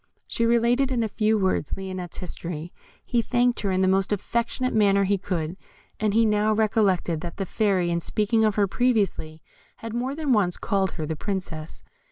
She related in a few words Lionette's history. He thanked her in the most affectionate manner he could, and he now recollected that the Fairy, in speaking of her previously, had more than once called her the Princess.